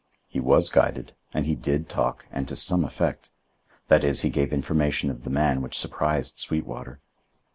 He was guided, and he did talk and to some effect. That is, he gave information of the man which surprised Sweetwater.